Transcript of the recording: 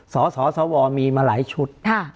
สสวมีมาหลายชุด